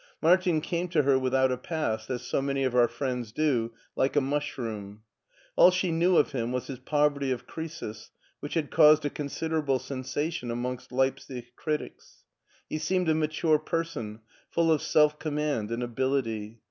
Martin came to her without a past, as so many of our friends do, like a mushroom. All she knew of him was his " Poverty of Croesus,'' which had caused a considerable sensation amongst Leipsic critics. He seemed a mature person, full of self command and ability.